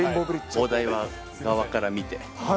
お台場側から見て。